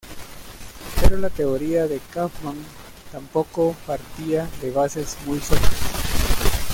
Pero la teoría de Kauffmann tampoco partía de bases muy sólidas.